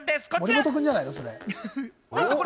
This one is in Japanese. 森本君じゃないの？